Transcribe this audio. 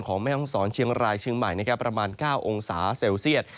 แม่ห้องศรเชียงรายเชียงใหม่ประมาณ๙องศาเซลเซียต